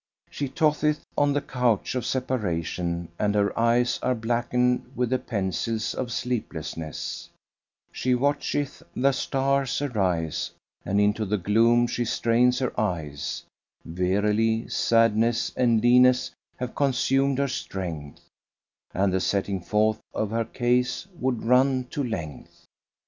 She tosseth on the couch of separation and her eyes are blackened with the pencils of sleeplessness; she watcheth the stars arise and into the gloom she strains her eyes: verily, sadness and leanness have consumed her strength and the setting forth of her case would run to length.